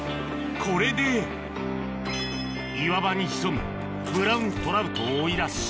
これで岩場に潜むブラウントラウトを追い出し